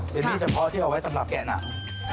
เป็นที่เฉพาะที่เอาไว้สำหรับแกะหนัง